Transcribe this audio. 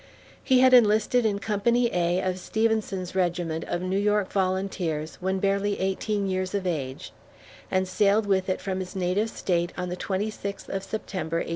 He had enlisted in Company A of Stevenson's Regiment of New York Volunteers when barely eighteen years of age; and sailed with it from his native State on the twenty sixth of September, 1846.